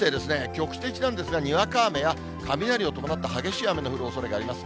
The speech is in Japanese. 局地的なんですが、にわか雨や雷を伴った激しい雨の降るおそれがあります。